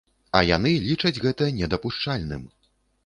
А яны лічаць гэта недапушчальным.